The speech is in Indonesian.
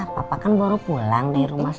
papa kan baru pulang dari rumah